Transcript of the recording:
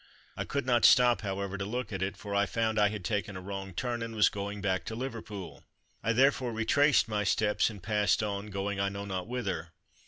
I could not stop, however, to look at it, for I found I had taken a wrong turn and was going back to Liverpool. I therefore retraced my steps and passed on, going I know not whither.